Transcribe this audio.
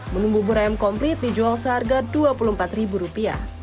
menu bubur ayam komplit dijual seharga rp dua puluh empat